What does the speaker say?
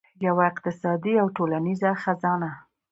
یوه اقتصادي او ټولنیزه خزانه.